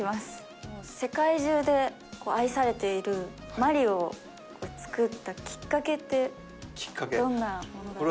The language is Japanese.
世界中で愛されている『マリオ』を作ったきっかけってどんなものだったんですか？